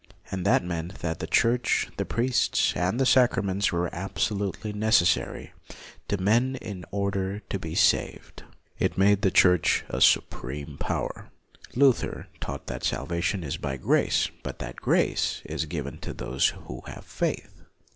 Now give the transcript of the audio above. And that meant that the Church, the priests, and the sacraments were absolutely necessary to men in order to be saved. It made the Church a supreme power. Luther LUTHER 25 taught that salvation is by grace, but that grace is given to those who have faith.